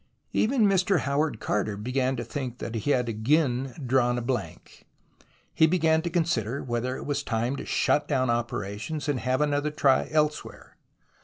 Even Mr. Howard Carter began to think that he had again drawn a blank ; he began to consider whether it was time to shut down operations and have another try elsewhere.